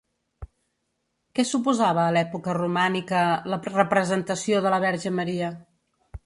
Què suposava a l'època romànica la representació de la Verge Maria?